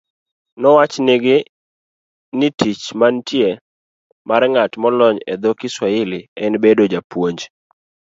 Nowachnigi ni tich manitie mar ng'at molonye dho Kiswahili en bedo japuonj